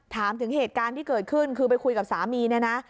ถามถึงเหตุการณ์ที่เกิดขึ้นคือไปคุยกับสามีเนี่ยนะ